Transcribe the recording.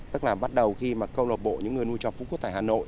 tức là bắt đầu khi mà câu lạc bộ những người nuôi chó phú quốc tại hà nội